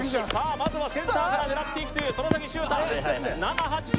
まずはセンターから狙っていくという外崎修汰７８９